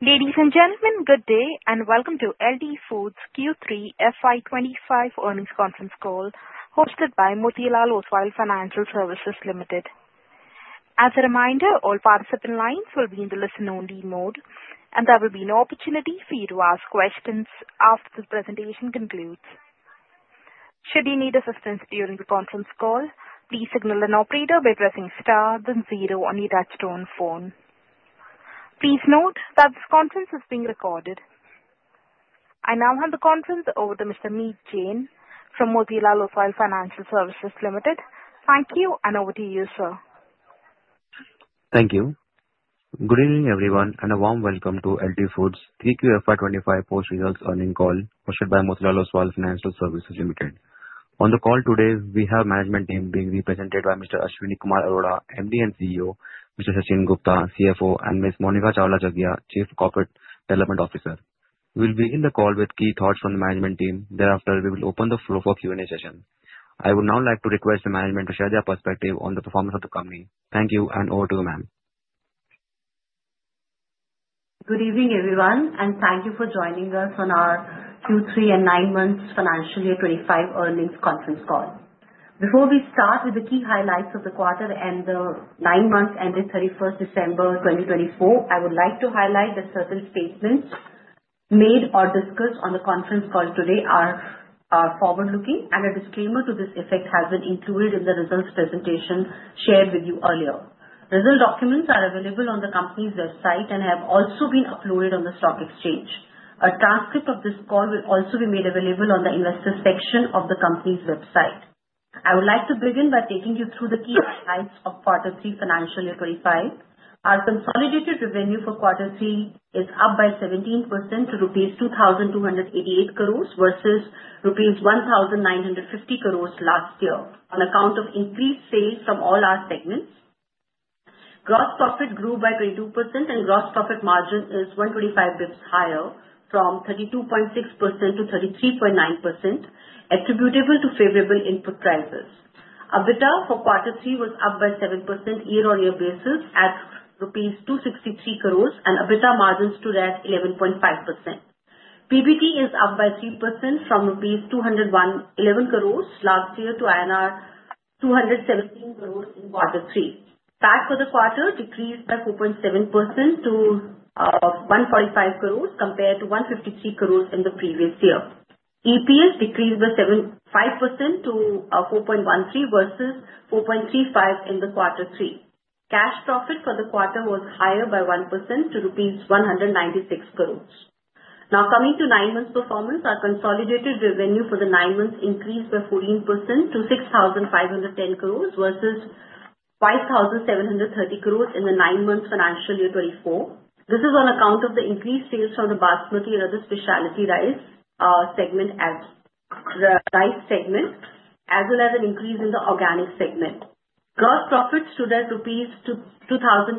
Ladies and gentlemen, good day and welcome to LT Foods Q3 FY25 earnings conference call, hosted by Motilal Oswal Financial Services Limited. As a reminder, all participant lines will be in the listen-only mode, and there will be no opportunity for you to ask questions after the presentation concludes. Should you need assistance during the conference call, please signal an operator by pressing star then zero on your touch-tone phone. Please note that this conference is being recorded. I now hand the conference over to Mr. Meet Jain from Motilal Oswal Financial Services Limited. Thank you, and over to you, sir. Thank you. Good evening, everyone, and a warm welcome to LT Foods Q3 FY25 post-results earnings call, hosted by Motilal Oswal Financial Services Limited. On the call today, we have management team being represented by Mr. Ashwani Kumar Arora, MD and CEO, Mr. Sachin Gupta, CFO, and Ms. Monika Chawla Jaggia, Chief Corporate Development Officer. We will begin the call with key thoughts from the management team. Thereafter, we will open the floor for Q&A session. I would now like to request the management to share their perspective on the performance of the company. Thank you, and over to you, ma'am. Good evening, everyone, and thank you for joining us on our Q3 and nine-month financial year 25 earnings conference call. Before we start with the key highlights of the quarter and the nine months ending 31st December 2024, I would like to highlight that certain statements made or discussed on the conference call today are forward-looking, and a disclaimer to this effect has been included in the results presentation shared with you earlier. Results documents are available on the company's website and have also been uploaded on the stock exchange. A transcript of this call will also be made available on the investor section of the company's website. I would like to begin by taking you through the key highlights of Quarter 3 financial year 25. Our consolidated revenue for Quarter 3 is up by 17% to rupees 2,288 crores versus rupees 1,950 crores last year, on account of increased sales from all our segments. Gross profit grew by 22%, and gross profit margin is 125 basis points higher, from 32.6% to 33.9%, attributable to favorable input prices. EBITDA for Quarter 3 was up by 7% year-on-year basis at rupees 263 crores, and EBITDA margins today at 11.5%. PBT is up by 3% from rupees 201 crores last year to INR 217 crores in Quarter 3. PAT for the quarter decreased by 4.7% to 145 crores, compared to 153 crores in the previous year. EPS decreased by 5% to 4.13 versus 4.35 in Quarter 3. Cash profit for the quarter was higher by 1% to rupees 196 crores. Now, coming to nine-month performance, our consolidated revenue for the nine months increased by 14% to 6,510 crores versus 5,730 crores in the nine-month financial year 2024. This is on account of the increased sales from the basmati and other specialty rice segment, as well as an increase in the organic segment. Gross profit stood at 2,202 crores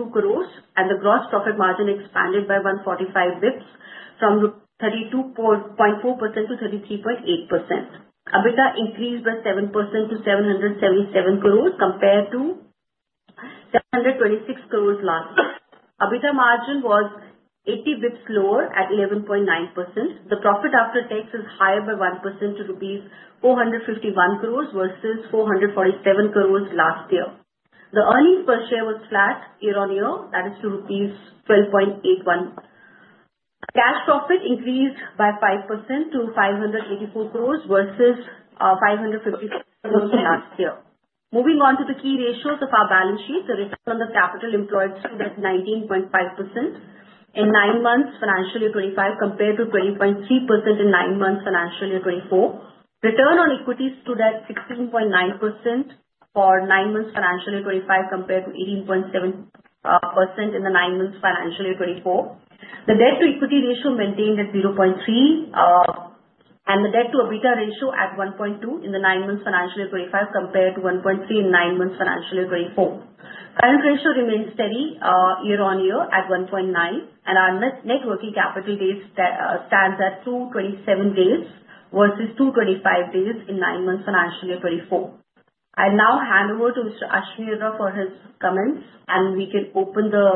rupees, and the gross profit margin expanded by 145 basis points from 32.4% to 33.8%. EBITDA increased by 7% to 777 crores, compared to 726 crores last year. EBITDA margin was 80 basis points lower at 11.9%. The profit after tax is higher by 1% to rupees 451 crores versus 447 crores last year. The earnings per share was flat year-on-year, that is to rupees 12.81. Cash profit increased by 5% to 584 crores versus 554 crores last year. Moving on to the key ratios of our balance sheet, the return on the capital employed stood at 19.5% in nine months financial year 25, compared to 20.3% in nine months financial year 24. Return on equity stood at 16.9% for nine months financial year 25, compared to 18.7% in the nine months financial year 24. The debt-to-equity ratio maintained at 0.3, and the debt-to-EBITDA ratio at 1.2 in the nine months financial year 25, compared to 1.3 in nine months financial year 24. Current ratio remains steady year-on-year at 1.9, and our net working capital days stands at 227 days versus 225 days in nine months financial year 24. I now hand over to Mr. Ashwini for his comments, and we can open the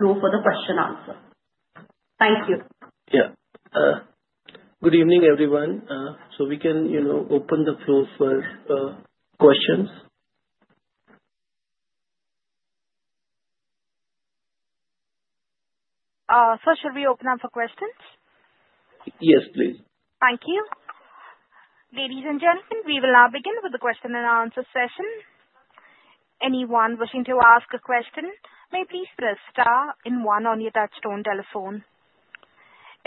floor for the question-answer. Thank you. Yeah. Good evening, everyone. So we can open the floor for questions. Sir, shall we open up for questions? Yes, please. Thank you. Ladies and gentlemen, we will now begin with the question-and-answer session. Anyone wishing to ask a question may please press star and one on your touch-tone telephone.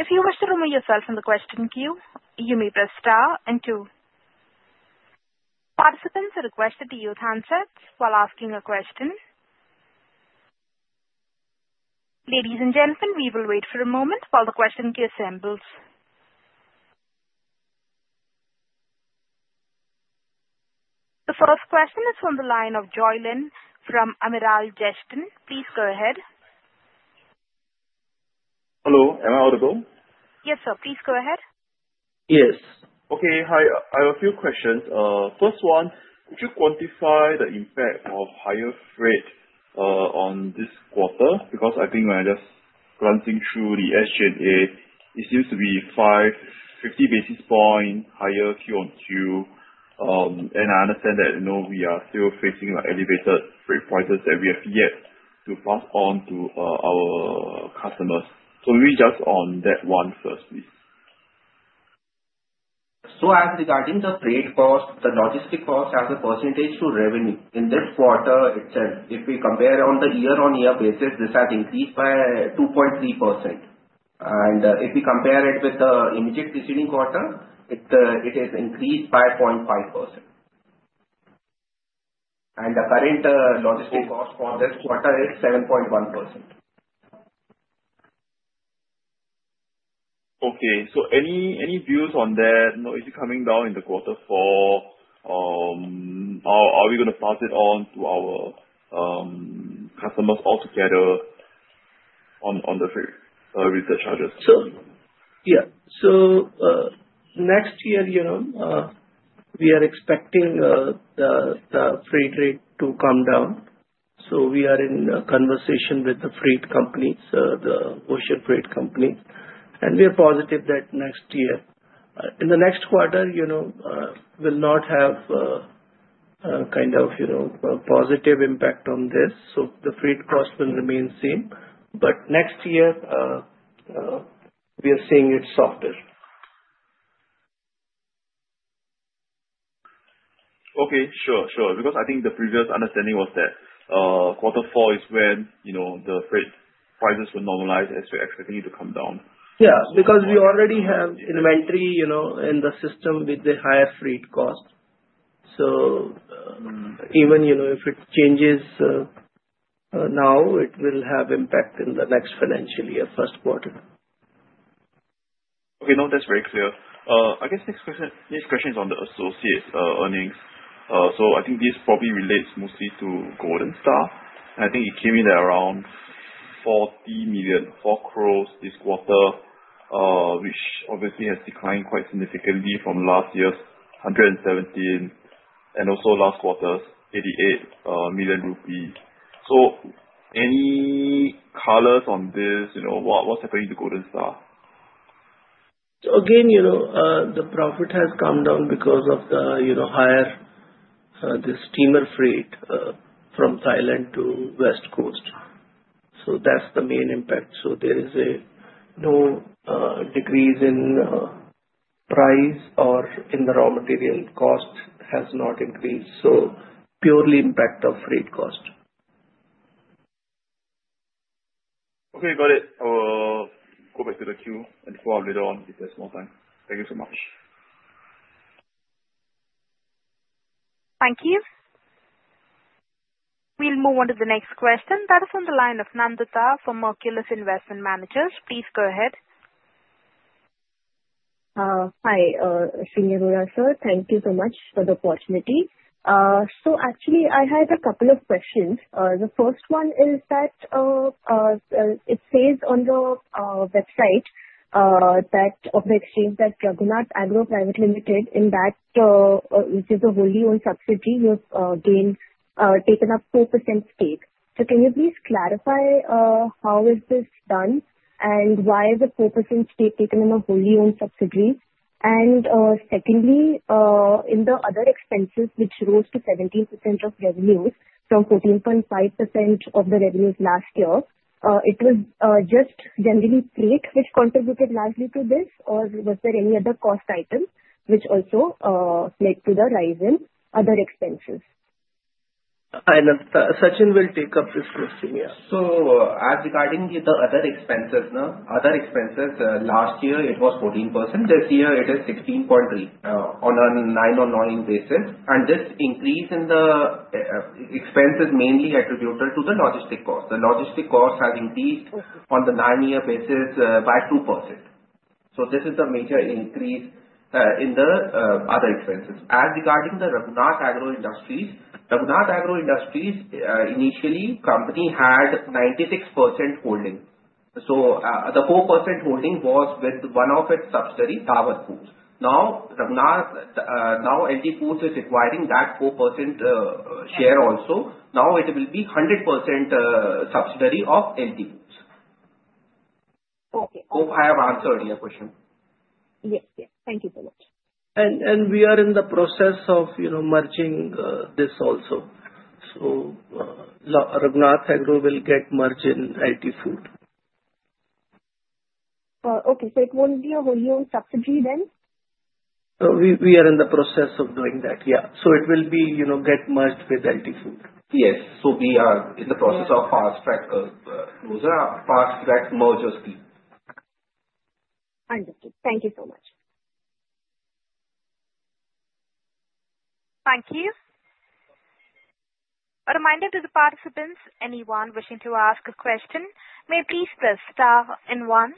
If you wish to remove yourself from the question queue, you may press star and two. Participants are requested to use handsets while asking a question. Ladies and gentlemen, we will wait for a moment while the question queue assembles. The first question is from the line of Joy Lin from Amiral Gestion. Please go ahead. Hello. Am I audible? Yes, sir. Please go ahead. Yes. Okay. Hi. I have a few questions. First one, could you quantify the impact of higher freight on this quarter? Because I think when I just glancing through the SG&A, it seems to be 50 basis points higher Q on Q. And I understand that we are still facing elevated freight prices that we have yet to pass on to our customers. So maybe just on that one first, please. So as regarding the freight cost, the logistics cost has a percentage to revenue. In this quarter itself, if we compare on the year-on-year basis, this has increased by 2.3%. And if we compare it with the immediate preceding quarter, it has increased by 0.5%. And the current logistics cost for this quarter is 7.1%. Okay. So any views on that? Is it coming down in the quarter four? Are we going to pass it on to our customers altogether on the freight charge? So yeah. Next year, we are expecting the freight rate to come down. We are in conversation with the freight companies, the ocean freight companies. We are positive that next year. In the next quarter, we'll not have kind of positive impact on this. The freight cost will remain same. Next year, we are seeing it softer. Okay. Sure, sure. Because I think the previous understanding was that quarter four is when the freight prices will normalize as we're expecting it to come down. Yeah. Because we already have inventory in the system with the higher freight cost. So even if it changes now, it will have impact in the next financial year, first quarter. Okay. No, that's very clear. I guess next question is on the associate earnings. So I think this probably relates mostly to Golden Star. I think it came in at around 40 million, 4 crores this quarter, which obviously has declined quite significantly from last year's 117 and also last quarter's 88 million rupees. So any colors on this? What's happening to Golden Star? So again, the profit has come down because of the higher steamer freight from Thailand to West Coast. So that's the main impact. So there is no decrease in price or in the raw material cost has not increased. So purely impact of freight cost. Okay. Got it. I will go back to the queue and follow up later on if there's more time. Thank you so much. Thank you. We'll move on to the next question. That is from the line of Nandita from Marcellus Investment Managers. Please go ahead. Hi, Ashwini Arora, sir. Thank you so much for the opportunity. So actually, I had a couple of questions. The first one is that it says on the website that of the exchange that Raghunath Agro Private Limited, in that which is a wholly-owned subsidiary, has taken up 4% stake. So can you please clarify how is this done and why is it 4% stake taken in a wholly-owned subsidiary? And secondly, in the other expenses, which rose to 17% of revenues from 14.5% of the revenues last year, it was just generally freight which contributed largely to this, or was there any other cost item which also led to the rise in other expenses? Sachin will take up this question. Yeah. As regarding the other expenses, last year it was 14%. This year it is 16.3% on a nine-on-nine basis. And this increase in the expense is mainly attributed to the logistics cost. The logistics cost has increased on the nine-year basis by 2%. So this is the major increase in the other expenses. As regarding the Raghunath Agro Industries, initially, company had 96% holding. So the 4% holding was with one of its subsidiaries, Daawat Foods. Now LT Foods is acquiring that 4% share also. Now it will be 100% subsidiary of LT Foods. Hope I have answered your question. Yes, yes. Thank you so much. We are in the process of merging this also. Raghunath Agro will get merged in LT Foods. Okay. So it won't be a wholly-owned subsidiary then? We are in the process of doing that. Yeah. So it will get merged with LT Foods. Yes. So we are in the process of fast-track mergers key. Understood. Thank you so much. Thank you. A reminder to the participants, anyone wishing to ask a question, may please press star and one.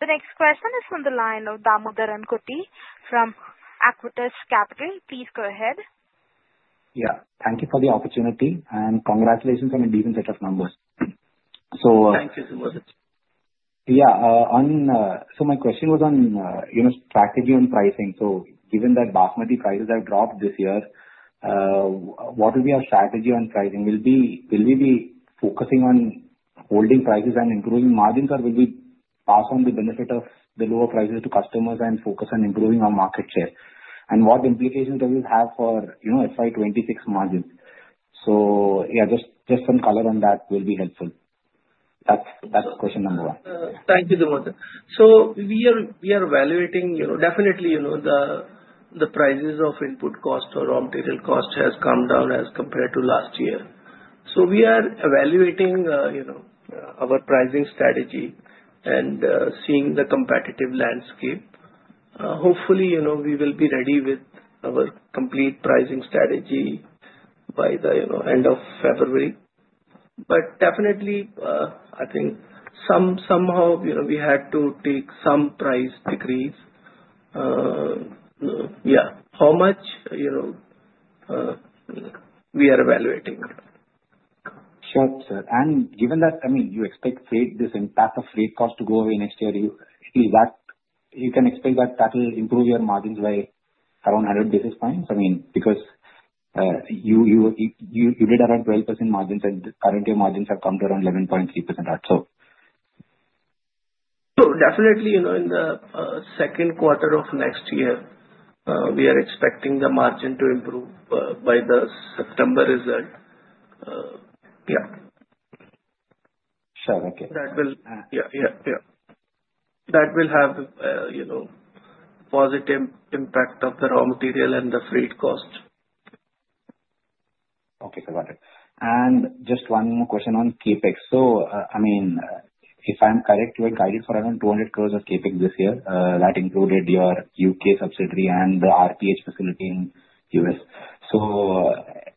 The next question is from the line of Damodar Kutty from Aequitas Capital. Please go ahead. Yeah. Thank you for the opportunity. And congratulations on a decent set of numbers. So. Thank you so much. Yeah. So my question was on strategy on pricing. So given that Basmati prices have dropped this year, what will be our strategy on pricing? Will we be focusing on holding prices and improving margins, or will we pass on the benefit of the lower prices to customers and focus on improving our market share? And what implications does it have for FY 26 margins? So yeah, just some color on that will be helpful. That's question number one. Thank you so much. So we are evaluating. Definitely, the prices of input cost or raw material cost has come down as compared to last year. So we are evaluating our pricing strategy and seeing the competitive landscape. Hopefully, we will be ready with our complete pricing strategy by the end of February. But definitely, I think somehow we had to take some price decrease. Yeah. How much we are evaluating? Sure, sir. And given that, I mean, you expect this impact of freight cost to go away next year, you can expect that that will improve your margins by around 100 basis points. I mean, because you did around 12% margins, and currently your margins have come to around 11.3% or so. So definitely, in the second quarter of next year, we are expecting the margin to improve by the September result. Yeah. Sure. Okay. That will have a positive impact on the raw material and the freight cost. Okay. Got it. And just one more question on CapEx. So, I mean, if I'm correct, you were guided for around 200 crores of CapEx this year. That included your UK subsidiary and the RTH facility in the US. So,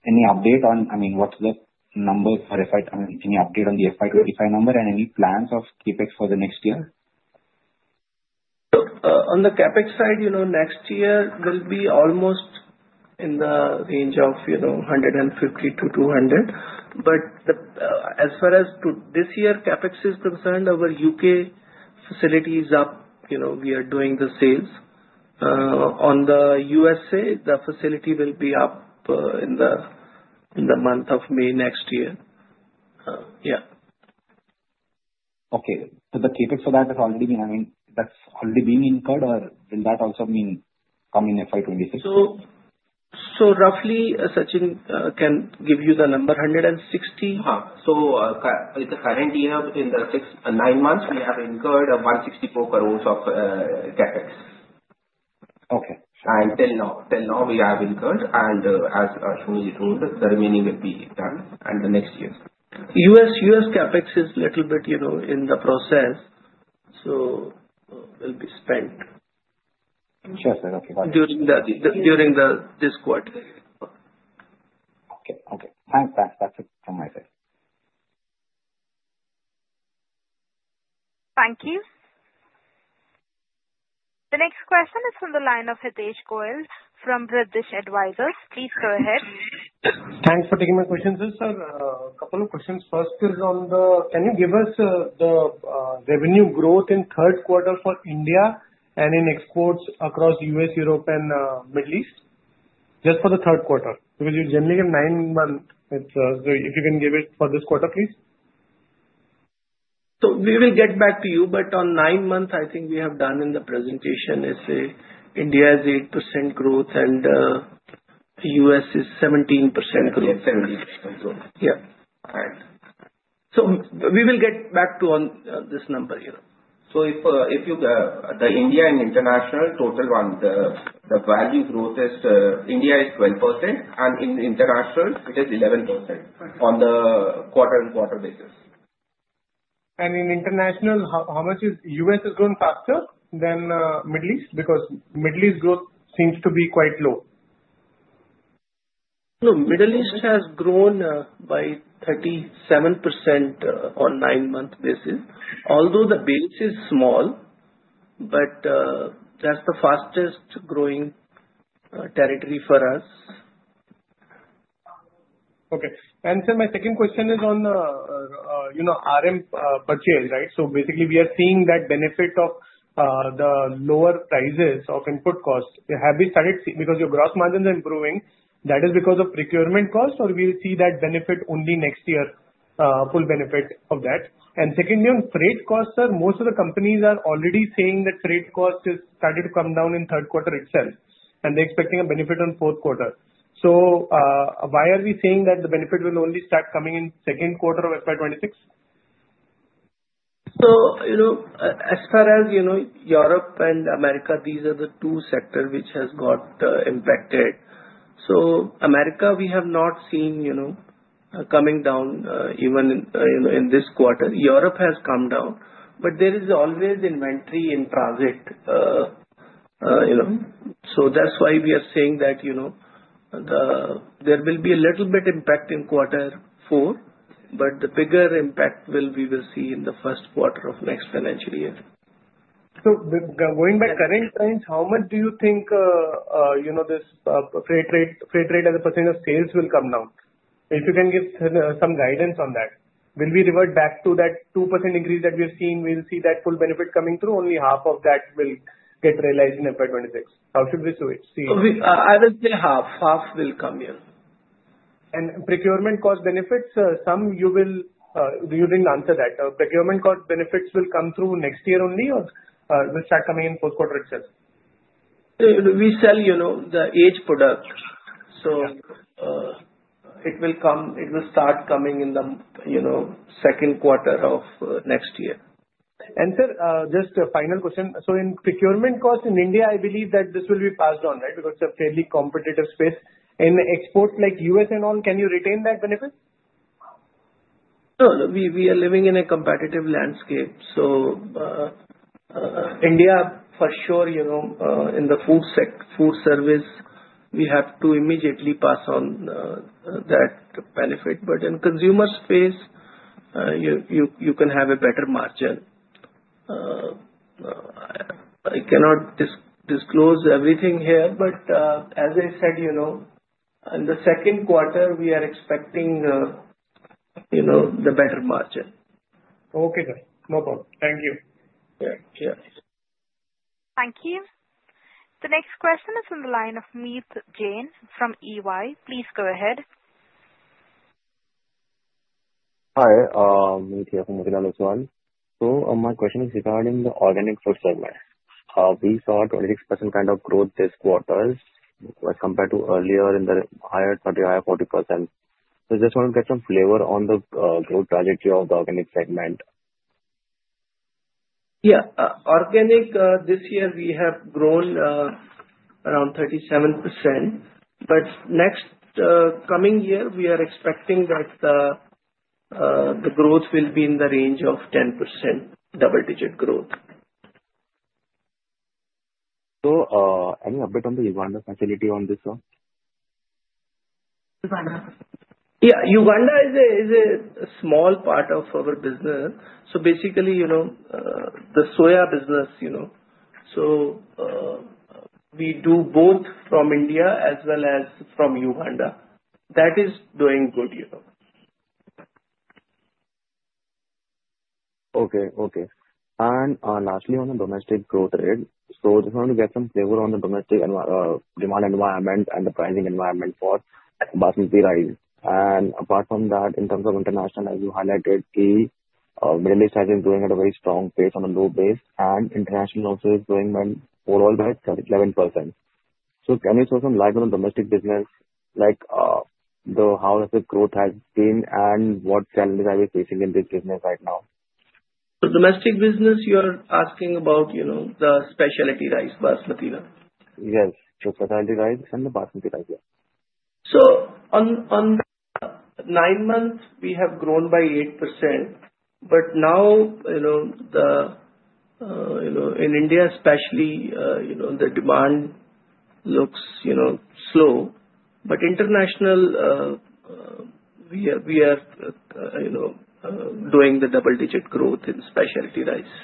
any update on, I mean, what's the number for FY? I mean, any update on the FY 25 number and any plans of CapEx for the next year? On the CapEx side, next year will be almost in the range of 150 to 200. But as far as this year CapEx is concerned, our UK facility is up. We are doing the sales. On the USA, the facility will be up in the month of May next year. Yeah. Okay. So the CapEx for that has already been, I mean, that's already being incurred, or will that also come in FY26? So roughly, Sachin can give you the number, 160. In the current year, in the nine months, we have incurred 164 crores of CapEx. Okay. Sure. Until now, we have incurred. As soon as it ruled, the remaining will be done in the next year. U.S. CapEx is a little bit in the process, so it will be spent. Sure, sir. Okay. Got it. During this quarter. Okay. Okay. Thanks. That's it from my side. Thank you. The next question is from the line of Hitesh Goel from Riddhis Advisors. Please go ahead. Thanks for taking my questions, sir. A couple of questions. First is on the, can you give us the revenue growth in third quarter for India and in exports across U.S., Europe, and Middle East? Just for the third quarter. Because you generally give nine months. So if you can give it for this quarter, please. So we will get back to you. But on nine months, I think we have done in the presentation is India is 8% growth and U.S. is 17% growth. 17% growth. Yeah. All right. So we will get back to this number. So if you take the India and international total, the value growth in India is 12%, and in international, it is 11% on the quarter-on-quarter basis. In international, how much has the US grown faster than the Middle East? Because Middle East growth seems to be quite low. So Middle East has grown by 37% on nine-month basis. Although the base is small, but that's the fastest growing territory for us. Okay. And sir, my second question is on the RM purchase, right? So basically, we are seeing that benefit of the lower prices of input cost. Have we started seeing because your gross margins are improving, that is because of procurement cost, or will we see that benefit only next year, full benefit of that? And secondly, on freight cost, sir, most of the companies are already saying that freight cost has started to come down in third quarter itself. And they're expecting a benefit on fourth quarter. So why are we saying that the benefit will only start coming in second quarter of FY 26? So as far as Europe and America, these are the two sectors which have got impacted. So America, we have not seen coming down even in this quarter. Europe has come down. But there is always inventory in transit. So that's why we are saying that there will be a little bit impact in quarter four, but the bigger impact we will see in the first quarter of next financial year. So going by current trends, how much do you think this freight rate as a percent of sales will come down? If you can give some guidance on that, will we revert back to that 2% increase that we have seen? Will we see that full benefit coming through? Only half of that will get realized in FY 26. How should we see it? I will say half. Half will come here. Procurement cost benefits, sir, you didn't answer that. Procurement cost benefits will come through next year only, or will start coming in fourth quarter itself? We sell the aged product. So it will start coming in the second quarter of next year. Sir, just a final question. So in procurement cost in India, I believe that this will be passed on, right? Because it's a fairly competitive space. In exports like U.S. and all, can you retain that benefit? No. We are living in a competitive landscape. So India, for sure, in the food service, we have to immediately pass on that benefit. But in consumer space, you can have a better margin. I cannot disclose everything here, but as I said, in the second quarter, we are expecting the better margin. Okay. No problem. Thank you. Yeah. Yeah. Thank you. The next question is from the line of Meet Jain from EY. Please go ahead. Hi. Meet Jain here from Motilal Oswal. So my question is regarding the organic food segment. We saw a 26% kind of growth this quarter as compared to earlier in the higher 30s, higher 40s%. So I just want to get some flavor on the growth trajectory of the organic segment. Yeah. Organic this year, we have grown around 37%. But next coming year, we are expecting that the growth will be in the range of 10% double-digit growth. Any update on the Uganda facility on this one? Yeah. Uganda is a small part of our business. So basically, the soya business. So we do both from India as well as from Uganda. That is doing good. Okay. Okay. And lastly, on the domestic growth rate, so just want to get some flavor on the domestic demand environment and the pricing environment for Basmati rice. And apart from that, in terms of international, as you highlighted, the Middle East has been growing at a very strong pace on a low base. And international also is growing overall by 11%. So can you shed some light on the domestic business, like how has the growth been and what challenges are we facing in this business right now? So domestic business, you're asking about the specialty rice, Basmati? Yes, so specialty rice and the Basmati rice, yeah. So, in nine months, we have grown by 8%. But now, in India, especially, the demand looks slow. But internationally, we are doing the double-digit growth in specialty rice.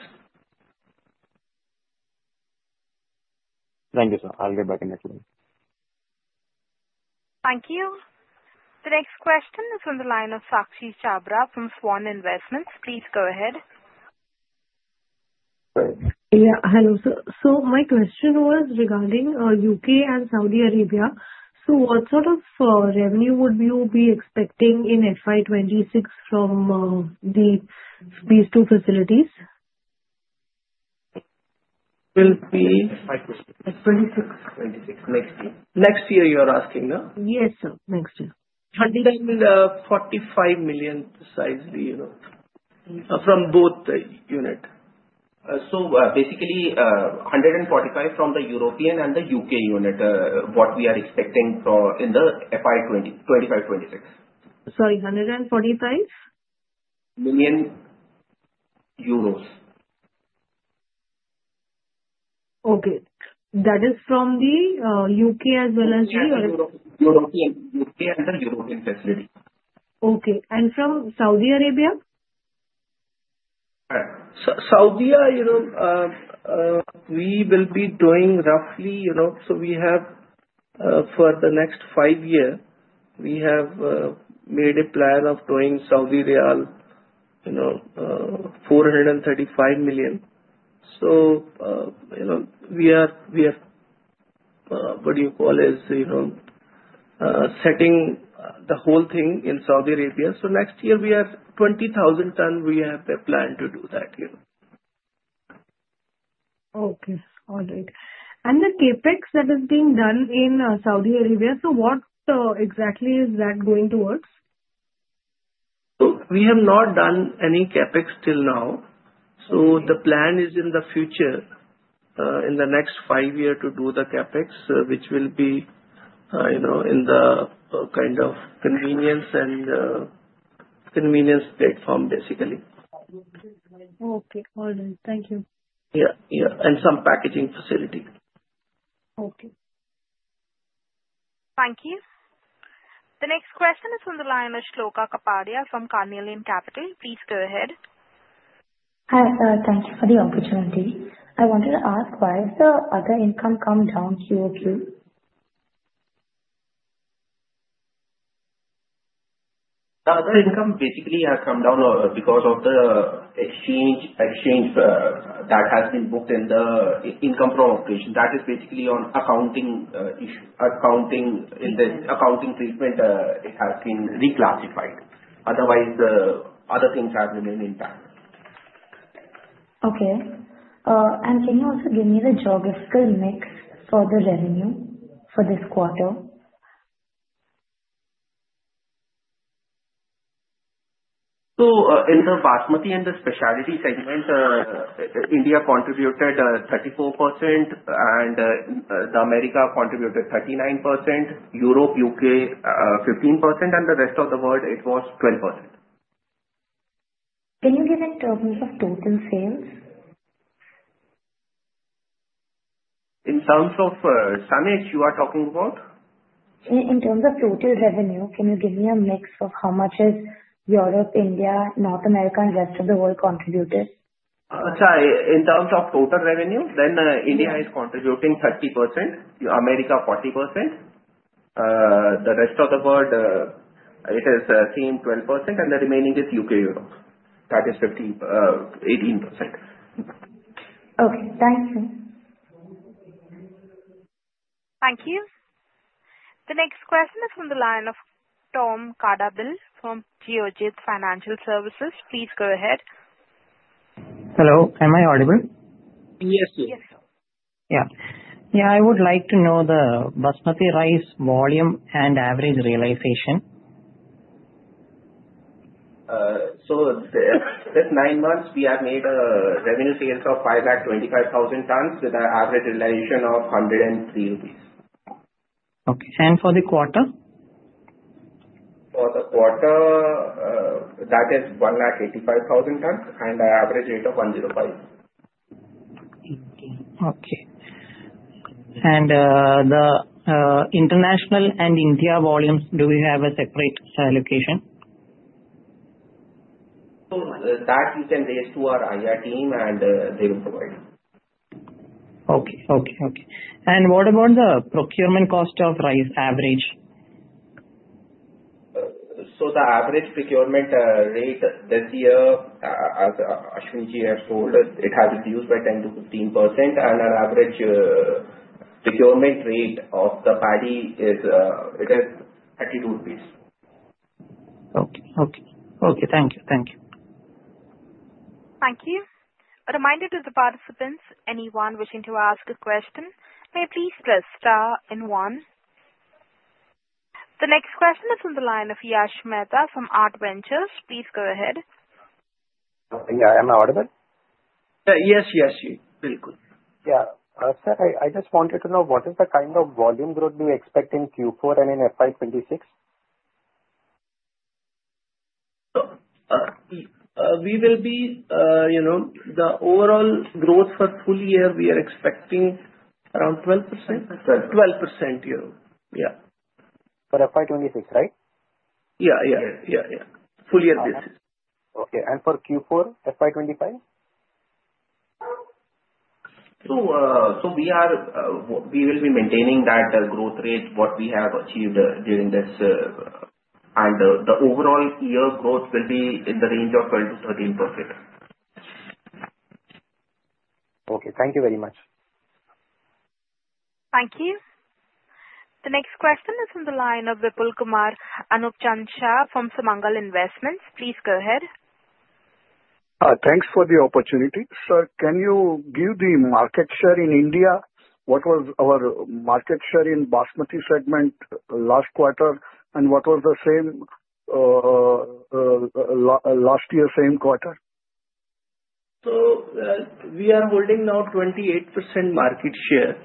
Thank you, sir. I'll get back in a few minutes. Thank you. The next question is from the line of Sakshi Chhabra from Swan Investments. Please go ahead. Yeah. Hello. So my question was regarding U.K. and Saudi Arabia. So what sort of revenue would you be expecting in FY26 from the phase two facilities? Will be at 26. 26. Next year. Next year, you're asking, no? Yes, sir. Next year. 145 million precisely from both units. So basically, 145 from the Europe and the UK unit, what we are expecting in the FY 2026. Sorry. 145? Million euros. Okay. That is from the U.K. as well as the? European facility. Okay. And from Saudi Arabia? Arabia, we will be doing roughly so we have for the next five years, we have made a plan of doing 435 million. So we are, what do you call it, setting the whole thing in Saudi Arabia. So next year, we are 20,000 tons. We have a plan to do that. Okay. All right. And the CapEx that is being done in Saudi Arabia, so what exactly is that going towards? We have not done any CapEx till now. The plan is in the future, in the next five years, to do the CapEx, which will be in the kind of convenience and convenience platform, basically. Okay. All right. Thank you. Yeah. Yeah. And some packaging facility. Okay. Thank you. The next question is from the line of Shloka Kapadia from Carnelian Capital. Please go ahead. Hi. Thank you for the opportunity. I wanted to ask, why is the other income come down QOQ? The other income basically has come down because of the exchange that has been booked in the income from operation. That is basically on accounting issues. Accounting treatment, it has been reclassified. Otherwise, other things have remained intact. Okay. And can you also give me the geographical mix for the revenue for this quarter? In the Basmati and the specialty segment, India contributed 34%, America contributed 39%, Europe/UK 15%, and the rest of the world, it was 12%. Can you give in terms of total sales? In terms of Total you are talking about? In terms of total revenue, can you give me a mix of how much Europe, India, North America, and rest of the world contributed? In terms of total revenue, then India is contributing 30%, America 40%. The rest of the world, it has seen 12%, and the remaining is UK/Europe. That is 18%. Okay. Thank you. Thank you. The next question is from the line of Tom Varghese from Geojit Financial Services. Please go ahead. Hello. Am I audible? Yes, sir. Yes, sir. Yeah. Yeah. I would like to know the Basmati rice volume and average realization? So this nine months, we have made a revenue sales of 525,000 tons with an average realization of 103 rupees. Okay. And for the quarter? For the quarter, that is 185,000 tons and an average rate of 105. Okay. And the international and India volumes, do we have a separate allocation? That we can raise to our IR team, and they will provide. Okay. And what about the procurement cost of rice average? So the average procurement rate this year, as Ashwinji has told us, it has reduced by 10%-15%. And our average procurement rate of the paddy is 32 rupees. Okay. Thank you. Thank you. A reminder to the participants, anyone wishing to ask a question, may please press star and one. The next question is from the line of Yash Mehta from Arth Ventures. Please go ahead. Yeah. I'm audible? Yes. Yes, sir. Bilkul. Yeah. Sir, I just wanted to know, what is the kind of volume growth we expect in Q4 and in FY26? We will be the overall growth for full year, we are expecting around 12%. 12%. 12%. Yeah. For FY 26, right? Yeah. Full year basis. Okay. And for Q4, FY 25? So we will be maintaining that growth rate, what we have achieved during this. And the overall year growth will be in the range of 12%-13%. Okay. Thank you very much. Thank you. The next question is from the line of Vipulkumar Anupchand Shah from Sumangal Investments. Please go ahead. Thanks for the opportunity. Sir, can you give the market share in India? What was our market share in Basmati segment last quarter, and what was the same last year's same quarter? We are holding now 28% market share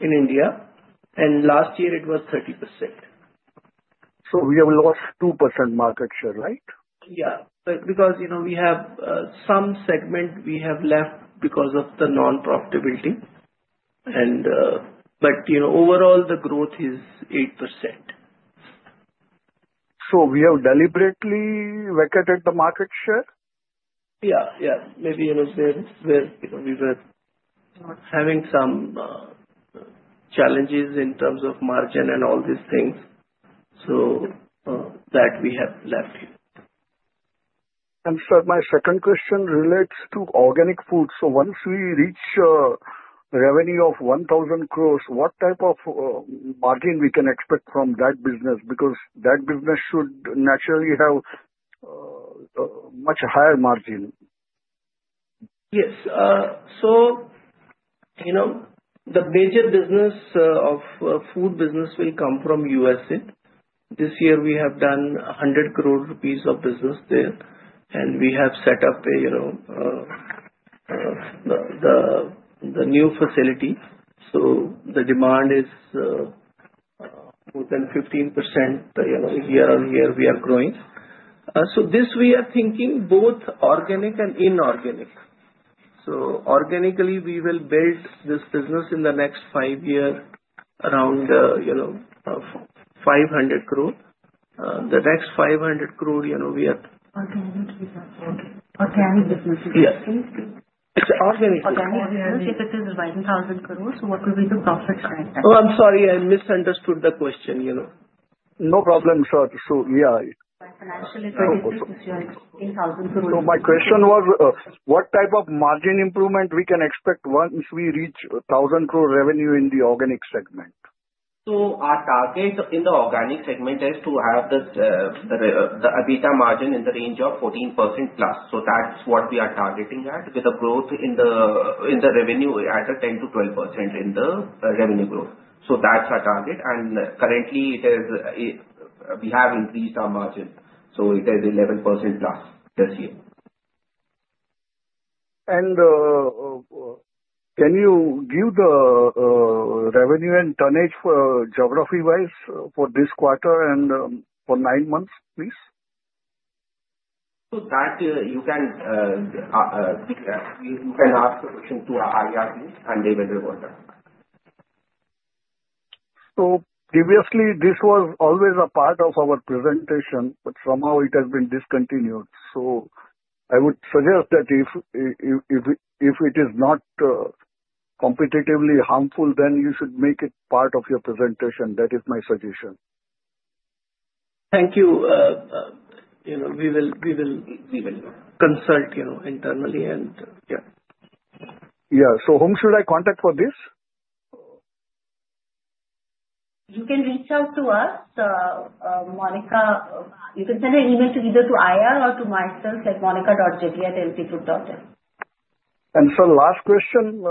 in India, and last year, it was 30%. We have lost 2% market share, right? Yeah. Because we have some segment we have left because of the non-profitability. But overall, the growth is 8%. So we have deliberately vacated the market share? Yeah. Yeah. Maybe where we were having some challenges in terms of margin and all these things, so that we have left. Sir, my second question relates to organic food. Once we reach revenue of 1,000 crores, what type of margin we can expect from that business? Because that business should naturally have much higher margin. Yes. So the major business of food business will come from USA. This year, we have done 100 crore rupees of business there, and we have set up the new facility. So the demand is more than 15% year on year. We are growing. So this, we are thinking both organic and inorganic. So organically, we will build this business in the next five year around 500 crore. The next 500 crore, we are. Automatically that's organic business. Yeah. It's organic business. Organic business, if it is INR 1,000 crore, so what will be the profit share? Oh, I'm sorry. I misunderstood the question. No problem, sir. So yeah. Financial liquidity is INR 10,000 crore. So my question was, what type of margin improvement we can expect once we reach 1,000 crore revenue in the organic segment? So our target in the organic segment is to have the EBITDA margin in the range of 14% plus. So that's what we are targeting at with the growth in the revenue at 10%-12% in the revenue growth. So that's our target. And currently, we have increased our margin. So it is 11% plus this year. Can you give the revenue and tonnage geography-wise for this quarter and for nine months, please? So that you can ask the question to our IR team, and they will report that. So previously, this was always a part of our presentation, but somehow it has been discontinued. So I would suggest that if it is not competitively harmful, then you should make it part of your presentation. That is my suggestion. Thank you. We will consult internally, and yeah. Yeah. So whom should I contact for this? You can reach out to us. Monika, you can send an email either to IR or to myself at monika.jaggia@ltfoods.net. Sir, last question.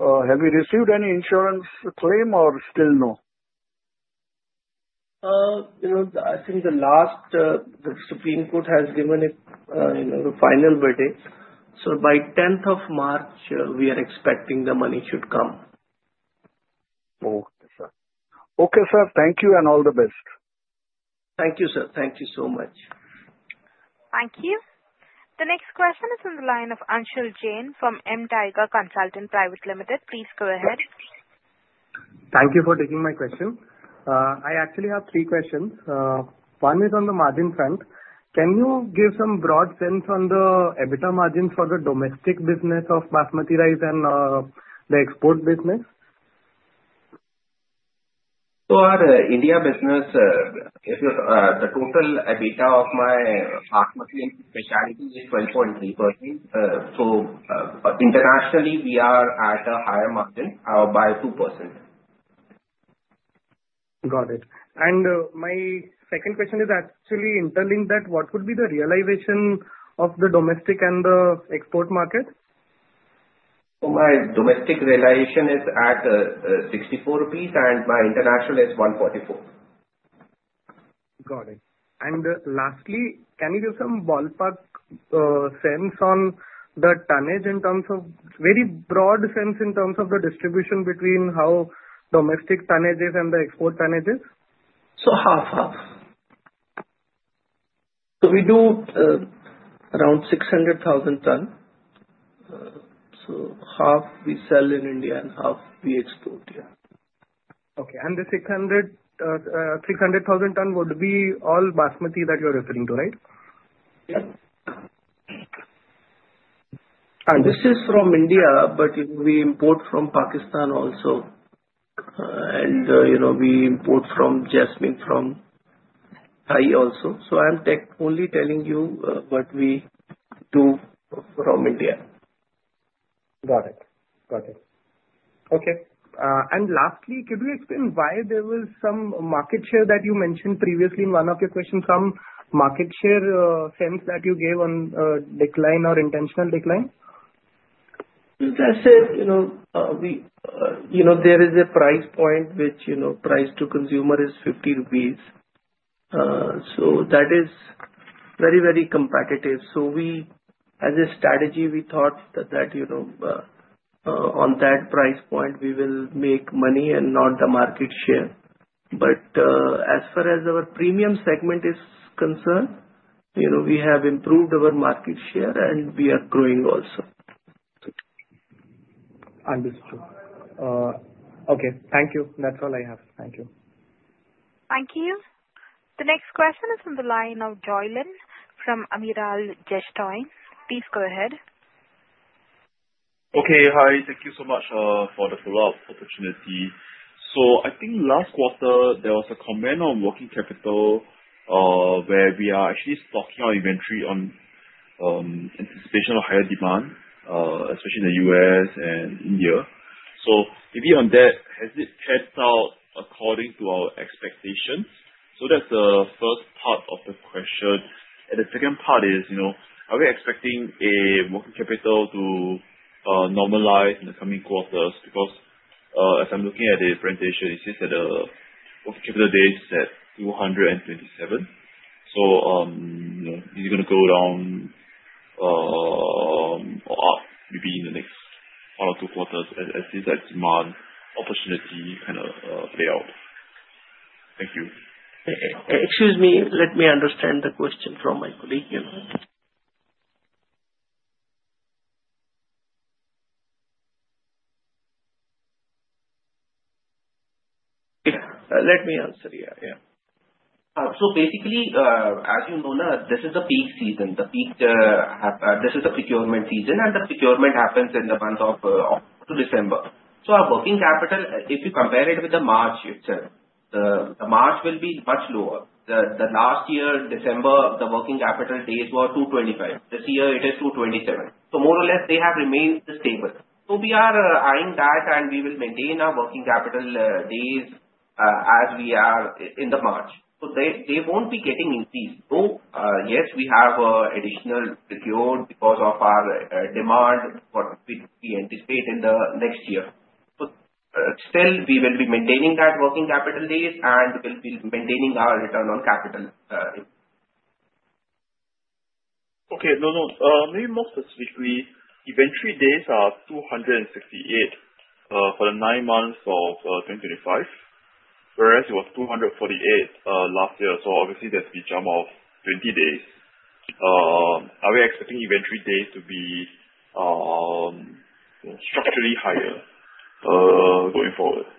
Have you received any insurance claim or still no? I think the last, the Supreme Court has given it the final verdict. So by 10th of March, we are expecting the money should come. Okay, sir. Okay, sir. Thank you and all the best. Thank you, sir. Thank you so much. Thank you. The next question is from the line of Anshul Jain from M Tiger Consulting Private Limited. Please go ahead. Thank you for taking my question. I actually have three questions. One is on the margin front. Can you give some broad sense on the EBITDA margin for the domestic business of Basmati rice and the export business? So our India business, if you take the total EBITDA of our Basmati and specialty, is 12.3%. So internationally, we are at a higher margin by 2%. Got it. And my second question is actually interlinked that what would be the realization of the domestic and the export market? So my domestic realization is at 64 rupees, and my international is 144. Got it. Lastly, can you give some ballpark sense on the tonnage in terms of very broad sense in terms of the distribution between how domestic tonnage is and the export tonnage is? So half-half. So we do around 600,000 tons. So half we sell in India and half we export here. Okay. And the 600,000 tons would be all Basmati that you're referring to, right? Yes. And this is from India, but we import from Pakistan also. And we import Jasmine from Thailand also. So I'm only telling you what we do from India. Got it. Got it. Okay. And lastly, could you explain why there was some market share that you mentioned previously in one of your questions? Some market share sense that you gave on decline or intentional decline? As I said, there is a price point which price to consumer is 50 rupees. So that is very, very competitive, so as a strategy, we thought that on that price point, we will make money and not the market share, but as far as our premium segment is concerned, we have improved our market share, and we are growing also. Understood. Okay. Thank you. That's all I have. Thank you. Thank you. The next question is from the line of Joylen from Amiral Gestion. Please go ahead. Okay. Hi. Thank you so much for the follow-up opportunity. So I think last quarter, there was a comment on working capital where we are actually stocking our inventory in anticipation of higher demand, especially in the U.S. and India. So maybe on that, has it panned out according to our expectations? So that's the first part of the question. And the second part is, are we expecting a working capital to normalize in the coming quarters? Because as I'm looking at the presentation, it says that the working capital days is at 227. So is it going to go down or up maybe in the next one or two quarters? Or is that demand opportunity kind of laid out? Thank you. Excuse me. Let me understand the question from my colleague. Let me answer. Yeah. Yeah. So basically, as you know, this is the peak season. This is the procurement season, and the procurement happens in the month of December. So our working capital, if you compare it with the March itself, the March will be much lower. The last year, December, the working capital days were 225. This year, it is 227. So more or less, they have remained stable. So we are eyeing that, and we will maintain our working capital days as we are in the March. So they won't be getting increased. Though, yes, we have additional procurement because of our demand what we anticipate in the next year. But still, we will be maintaining that working capital days and will be maintaining our return on capital. Okay. No, no. Maybe more specifically, inventory days are 268 for the nine months of 2025, whereas it was 248 last year. So obviously, there's a big jump of 20 days. Are we expecting inventory days to be structurally higher going forward?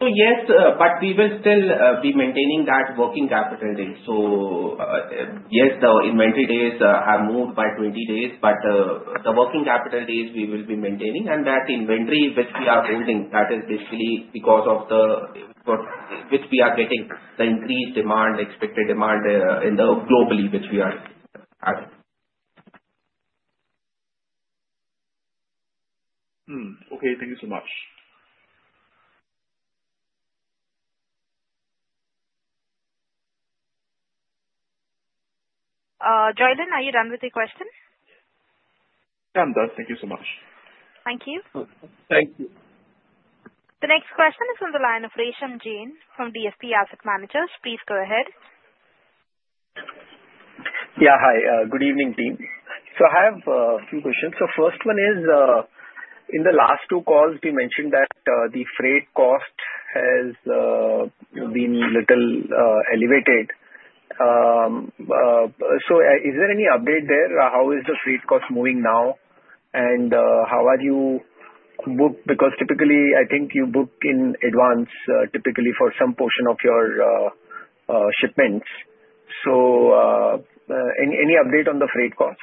So yes, but we will still be maintaining that working capital days. So yes, the inventory days have moved by 20 days, but the working capital days, we will be maintaining. And that inventory which we are holding, that is basically because of which we are getting the increased demand, expected demand globally which we are having. Okay. Thank you so much. Joylen, are you done with your question? I'm done. Thank you so much. Thank you. Thank you. The next question is from the line of Resham Jain from DSP Asset Managers. Please go ahead. Yeah. Hi. Good evening, team. So I have a few questions. So first one is, in the last two calls, we mentioned that the freight cost has been a little elevated. So is there any update there? How is the freight cost moving now? And how are you booked? Because typically, I think you book in advance, typically for some portion of your shipments. So any update on the freight costs?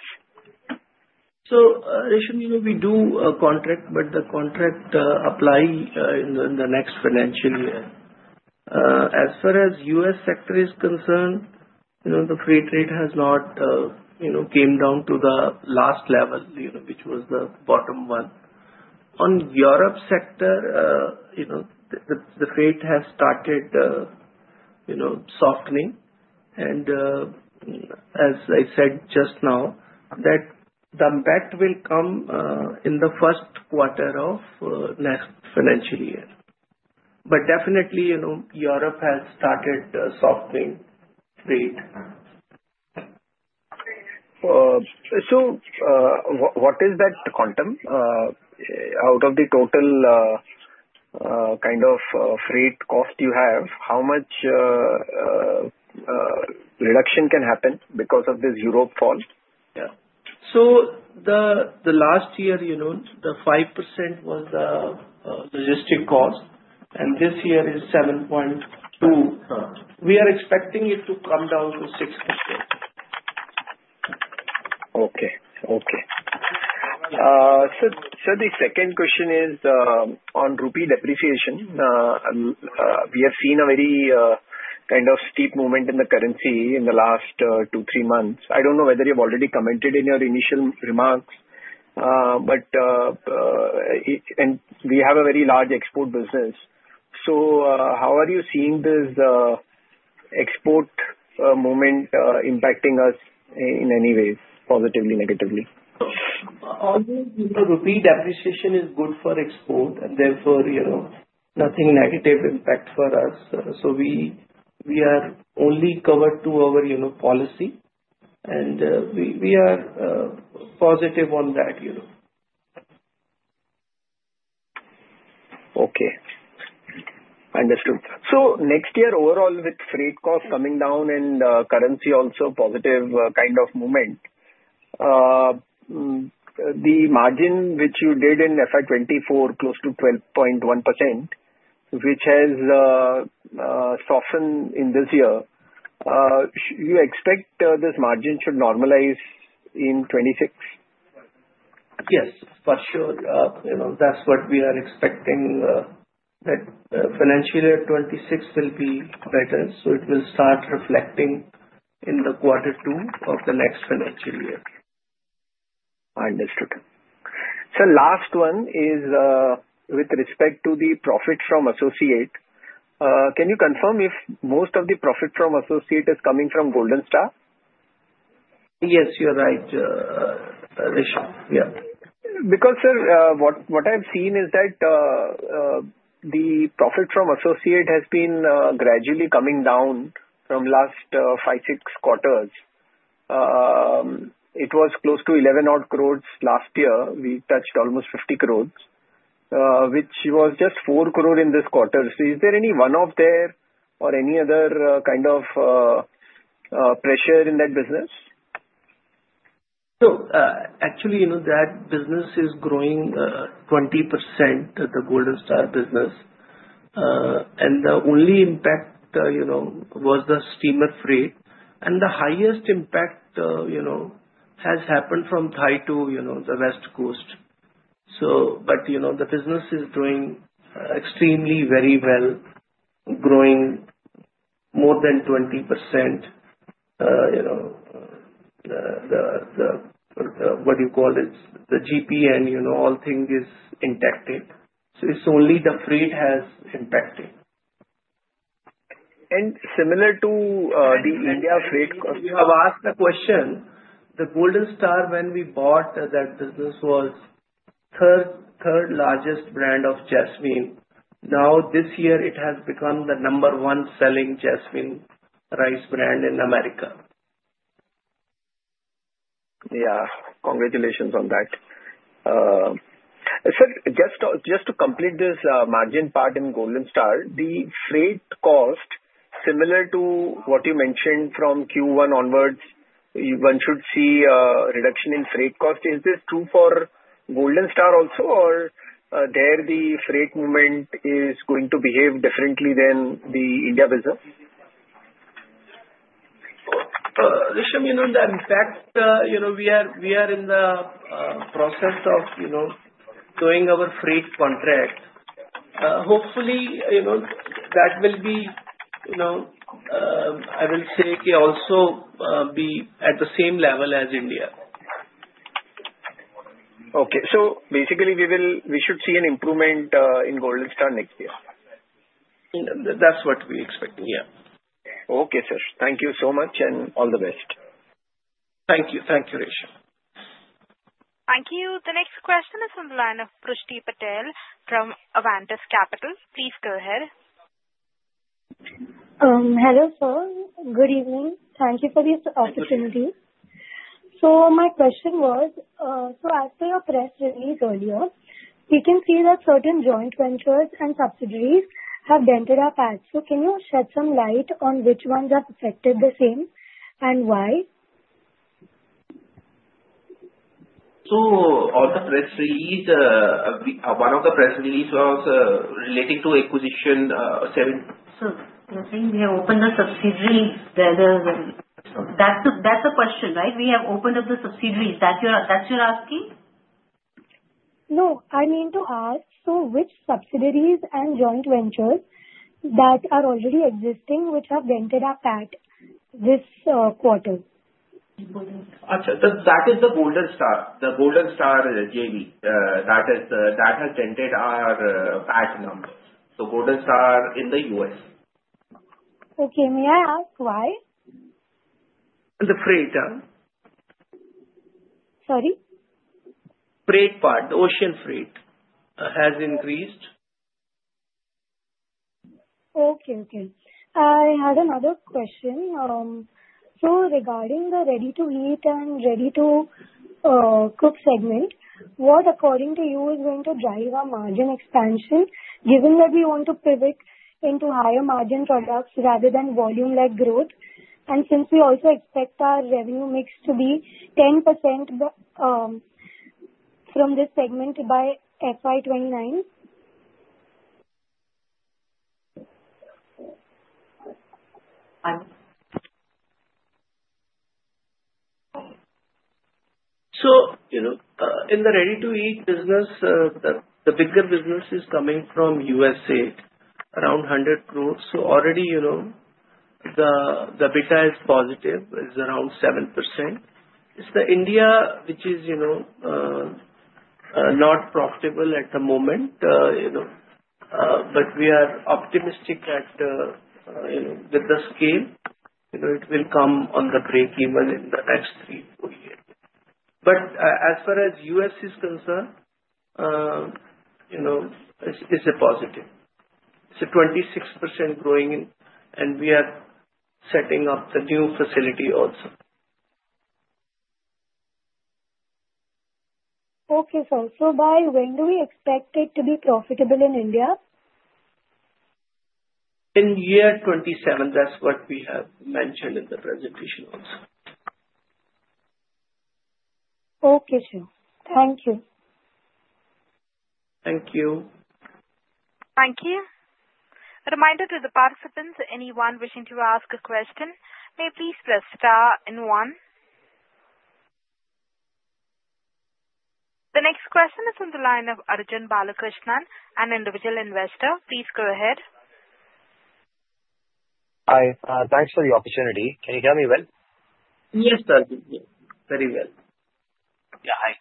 So Risham, we do a contract, but the contract applies in the next financial year. As far as U.S. sector is concerned, the freight rate has not come down to the last level, which was the bottom one. On Europe sector, the freight has started softening. And as I said just now, that the benefit will come in the first quarter of next financial year. But definitely, Europe has started softening freight. So what is that quantum? Out of the total kind of freight cost you have, how much reduction can happen because of this Europe fall? The last year, the 5% was the logistics cost, and this year is 7.2%. We are expecting it to come down to 6%. Okay. Okay. So the second question is on rupee depreciation. We have seen a very kind of steep movement in the currency in the last two, three months. I don't know whether you've already commented in your initial remarks, but we have a very large export business. So how are you seeing this export movement impacting us in any way, positively, negatively? So always the rupee depreciation is good for export, and therefore, nothing negative impact for us. So we are only covered to our policy, and we are positive on that. Okay. Understood. So next year, overall, with freight costs coming down and currency also positive kind of movement, the margin which you did in FY24 close to 12.1%, which has softened in this year, you expect this margin should normalize in FY26? Yes. For sure. That's what we are expecting, that financial year 2026 will be better. So it will start reflecting in the quarter two of the next financial year. Understood. So last one is with respect to the profit from associate. Can you confirm if most of the profit from associate is coming from Golden Star? Yes, you're right, Risham. Yeah. Because, sir, what I've seen is that the profit from associate has been gradually coming down from last five, six quarters. It was close to 11 odd crores last year. We touched almost 50 crores, which was just four crore in this quarter. So is there any one-off there or any other kind of pressure in that business? So actually, that business is growing 20%, the Golden Star business. And the only impact was the steamer freight. And the highest impact has happened from Thai to the West Coast. But the business is doing extremely very well, growing more than 20%. What do you call it? The GPM, all things is intact. So it's only the freight has impacted. Similar to the India freight cost. I've asked the question. The Golden Star, when we bought that business, was third largest brand of Jasmine. Now, this year, it has become the number one selling Jasmine rice brand in America. Yeah. Congratulations on that. Sir, just to complete this margin part in Golden Star, the freight cost, similar to what you mentioned from Q1 onwards, one should see a reduction in freight cost. Is this true for Golden Star also, or there the freight movement is going to behave differently than the India business? Risham, that impact, we are in the process of doing our freight contract. Hopefully, that will be, I will say, also be at the same level as India. Okay, so basically, we should see an improvement in Golden Star next year. That's what we expect. Yeah. Okay, sir. Thank you so much and all the best. Thank you. Thank you, Risham. Thank you. The next question is from the line of Prushti Patel from Avantis Capital. Please go ahead. Hello, sir. Good evening. Thank you for this opportunity. So my question was, so after your press release earlier, we can see that certain joint ventures and subsidiaries have dented our PAT. So can you shed some light on which ones have affected the same and why? On the press release, one of the press release was relating to acquisition. Sir, I think we have opened the subsidiaries better. That's the question, right? We have opened up the subsidiaries. That's what you're asking? No, I mean to ask, so which subsidiaries and joint ventures that are already existing which have dented our PAT this quarter? Important. That is the Golden Star. The Golden Star JV. That has dented our PAT now. So Golden Star in the U.S. Okay. May I ask why? The freight, huh? Sorry? Freight part, the ocean freight has increased. Okay. I had another question. So regarding the ready-to-eat and ready-to-cook segment, what, according to you, is going to drive our margin expansion given that we want to pivot into higher margin products rather than volume-like growth? And since we also expect our revenue mix to be 10% from this segment by FY29? So in the ready-to-eat business, the bigger business is coming from USA, around 100 crores. So already, the PBT is positive, is around 7%. It's the India which is not profitable at the moment, but we are optimistic that with the scale, it will come on the break even in the next three, four years. But as far as US is concerned, it's a positive. It's a 26% growing, and we are setting up the new facility also. Okay, sir. So by when do we expect it to be profitable in India? In 2027. That's what we have mentioned in the presentation also. Okay, sir. Thank you. Thank you. Thank you. Reminder to the participants, anyone wishing to ask a question, may please press star and one. The next question is from the line of Arjun Balakrishnan, an individual investor. Please go ahead. Hi. Thanks for the opportunity. Can you hear me well? Yes, sir. Very well. Yeah. Hi.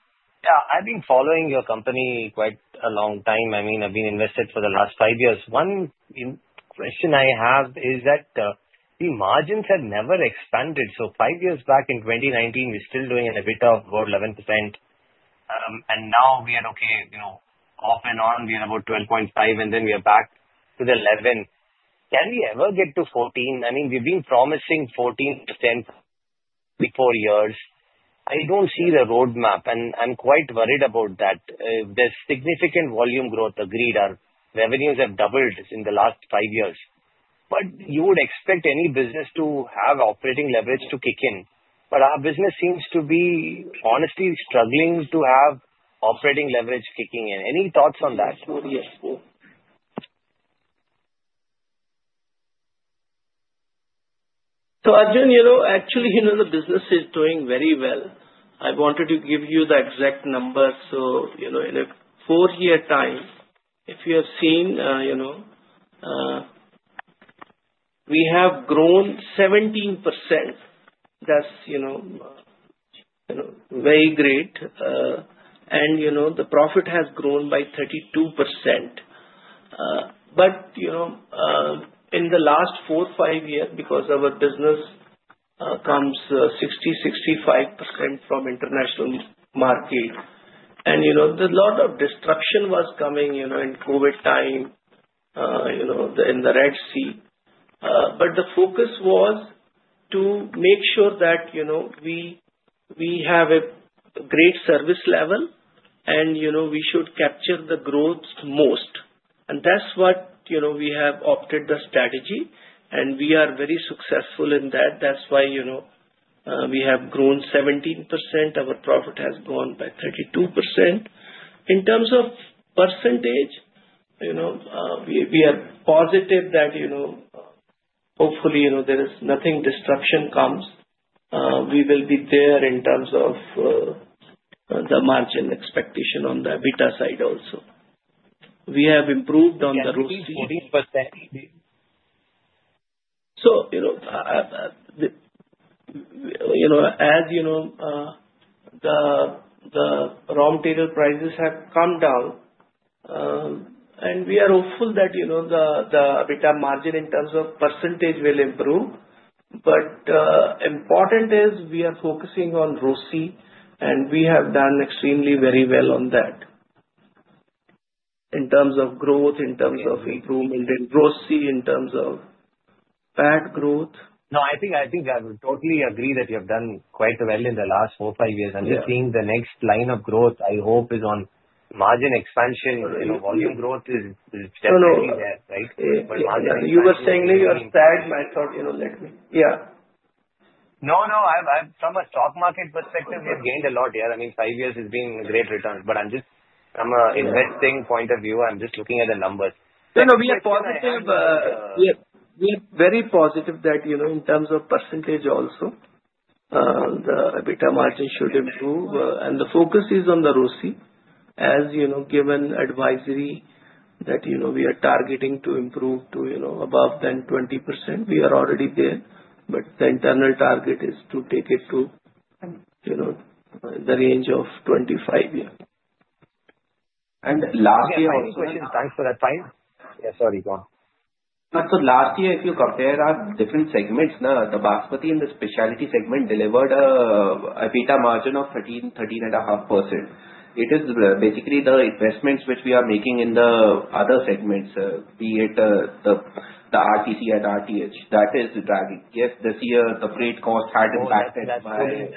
Yeah. I've been following your company quite a long time. I mean, I've been invested for the last five years. One question I have is that the margins have never expanded. So five years back in 2019, we're still doing a bit of about 11%, and now we are okay. Off and on, we are about 12.5%, and then we are back to 11%. Can we ever get to 14%? I mean, we've been promising 14% for four years. I don't see the roadmap, and I'm quite worried about that. There's significant volume growth agreed. Our revenues have doubled in the last five years. But you would expect any business to have operating leverage to kick in. But our business seems to be, honestly, struggling to have operating leverage kicking in. Any thoughts on that? Four years. Arjun, actually, the business is doing very well. I wanted to give you the exact number. In a four-year time, if you have seen, we have grown 17%. That's very great. The profit has grown by 32%. In the last four, five years, because our business comes 60%-65% from international market, and a lot of disruption was coming in COVID time in the Red Sea. The focus was to make sure that we have a great service level, and we should capture the growth most. That's what we have adopted the strategy, and we are very successful in that. That's why we have grown 17%. Our profit has grown by 32%. In terms of percentage, we are positive that hopefully there is nothing disruption comes. We will be there in terms of the margin expectation on the Basmati side also. We have improved on the ROCE. Roughly 14%. So as you know, the raw material prices have come down, and we are hopeful that the EBITDA margin in terms of percentage will improve. But important is we are focusing on ROCE, and we have done extremely very well on that in terms of growth, in terms of improvement in ROCE, in terms of PAT growth. No, I think I would totally agree that you have done quite well in the last four, five years. I'm just saying the next line of growth, I hope, is on margin expansion. Volume growth is definitely there, right? You were saying you are sad. I thought, "Let me. Yeah. No, no. From a stock market perspective, we have gained a lot, yeah. I mean, five years has been a great return. But from an investing point of view, I'm just looking at the numbers. No, no. We are very positive that in terms of percentage also, the EBITDA margin should improve. And the focus is on the ROCE. As given advisory that we are targeting to improve to above than 20%. We are already there, but the internal target is to take it to the range of 25%. Last year also. Thanks for that. Sorry, go on. Last year, if you compare our different segments, the Basmati and the specialty segment delivered an EBITDA margin of 13%-13.5%. It is basically the investments which we are making in the other segments, be it the RTC and RTE. That is dragging. Yes, this year, the freight cost had impacted by. Yes.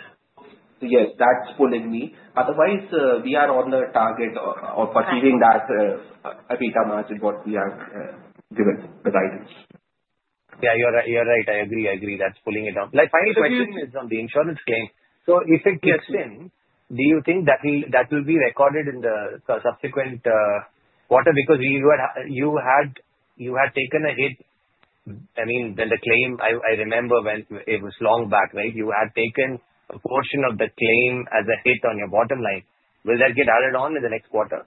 Yes, that's pulling me. Otherwise, we are on the target of achieving that EBITDA margin that we have given the guidance. Yeah, you're right. I agree. I agree. That's pulling it down. My final question is on the insurance claim. So if it gets in, do you think that will be recorded in the subsequent quarter? Because you had taken a hit. I mean, when the claim I remember, it was long back, right? You had taken a portion of the claim as a hit on your bottom line. Will that get added on in the next quarter?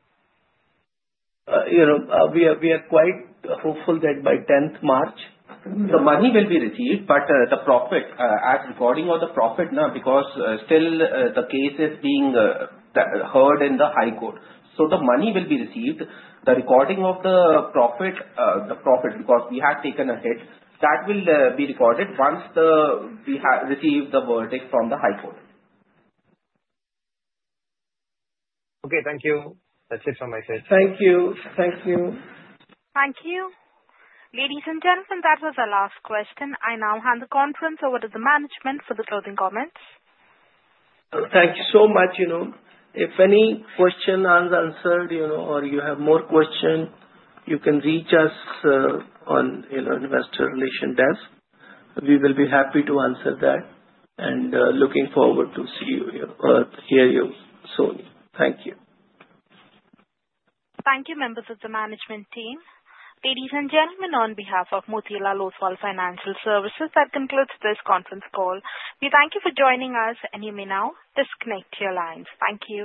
We are quite hopeful that by 10th March, the money will be received, but the profit as recording of the profit now because still the case is being heard in the high court, so the money will be received. The recording of the profit, the profit because we had taken a hit, that will be recorded once we receive the verdict from the high court. Okay. Thank you. That's it from my side. Thank you. Thank you. Thank you. Ladies and gentlemen, that was the last question. I now hand the conference over to the management for the closing comments. Thank you so much. If any question has answered or you have more questions, you can reach us on investor relations desk. We will be happy to answer that and looking forward to see you or hear you soon. Thank you. Thank you, members of the management team. Ladies and gentlemen, on behalf of Motilal Oswal Financial Services, that concludes this conference call. We thank you for joining us, and you may now disconnect your lines. Thank you.